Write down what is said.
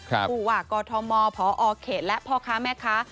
ผู้ว่ากอทมพอเขตและพ่อค้าแม่ค้า